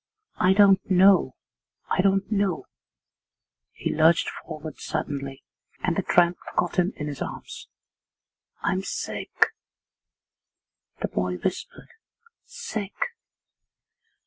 I don't know, I don't know√¢‚Ç¨‚Äù' he lurched forward suddenly, and the tramp caught him in his arms. 'I'm sick,' the boy whispered 'sick.